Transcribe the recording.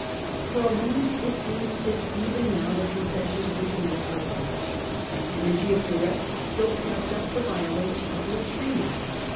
For a moment it seemed as if even now the concessions were to no purpose. The energy of De Retz still kept up the violence of the extremists.